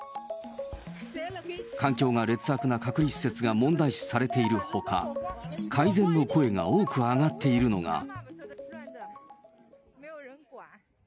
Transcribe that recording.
環境が劣悪な隔離施設が問題視されているほか、改善の声が多く上がっているのが。